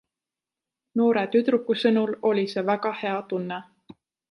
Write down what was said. Noore tüdruku sõnul oli see väga hea tunne.